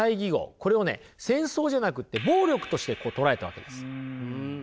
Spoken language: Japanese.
戦争じゃなくって暴力として捉えたわけです。